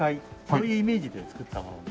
そういうイメージで作ったものに。